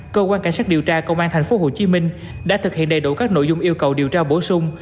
cơ quan cảnh sát điều tra công an tp hcm đã thực hiện đầy đủ các nội dung yêu cầu điều tra bổ sung